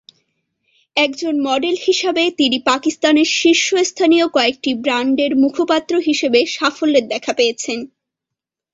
একজন মডেল হিসাবে তিনি পাকিস্তানের শীর্ষস্থানীয় কয়েকটি ব্র্যান্ডের মুখপাত্র হিসাবে সাফল্যের দেখা পেয়েছেন।